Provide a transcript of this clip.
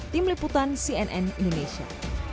tim liputan cnn indonesia